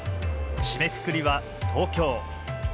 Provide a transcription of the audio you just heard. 締めくくりは東京。